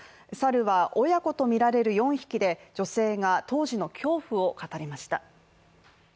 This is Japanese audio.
サルは親子とみられる４匹で女性が当時の恐怖を語りました。